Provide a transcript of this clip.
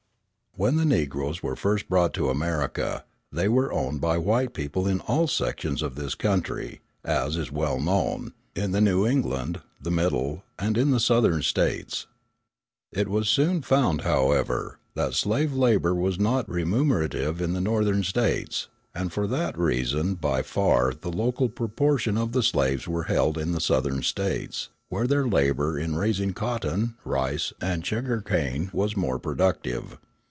When the Negroes were first brought to America, they were owned by white people in all sections of this country, as is well known, in the New England, the Middle, and in the Southern States. It was soon found, however, that slave labour was not remunerative in the Northern States, and for that reason by far the greater proportion of the slaves were held in the Southern States, where their labour in raising cotton, rice, and sugar cane was more productive.